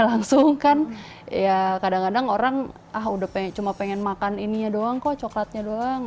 langsung kan ya kadang kadang orang ah udah cuma pengen makan ininya doang kok coklatnya doang